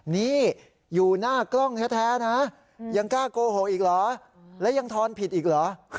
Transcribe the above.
นี่อยู่หน้ากล้องแท้นะยังกล้าโกหกอีกเหรอแล้วยังทอนผิดอีกเหรอ